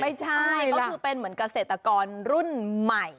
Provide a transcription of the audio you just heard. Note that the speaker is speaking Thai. ไม่ใช่ก็คือเป็นเหมือนเกษตรกรรุ่นใหม่